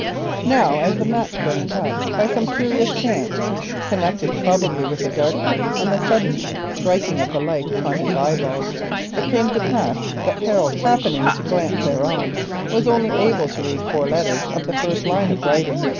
_" Now, as the match burnt up, by some curious chance, connected probably with the darkness and the sudden striking of light upon his eyeballs, it came to pass that Harold, happening to glance thereon, was only able to read four letters of this first line of writing.